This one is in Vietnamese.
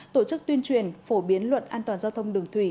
tổ chức tuyên truyền phổ biến luật an toàn giao thông đường thủy